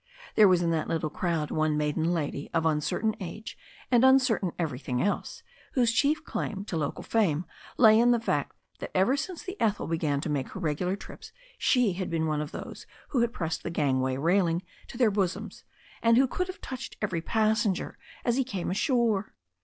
There was in that little crowd one maiden lady of uncertain age and uncertain everjrthing else, whose chief claim to local fame lay in the fact that ever since the Ethel began to make her regular trips she had been of those who had pressed the gangway railing to their bosoms, and who could have touched every passenger as he came ashore.